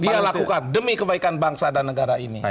dia lakukan demi kebaikan bangsa dan negara ini